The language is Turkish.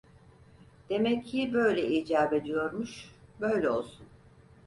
Demek ki böyle icap ediyormuş, böyle olsun…